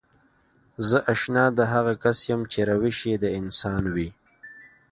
زه اشنا د هغه کس يم چې روش يې د انسان وي.